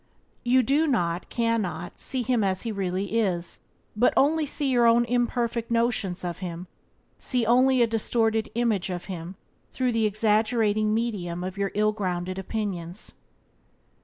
You do not, cannot, see him as he is, but see only your own imperfect notions of him; see only a distorted image of him through the exaggerating medium of your ill grounded opinions.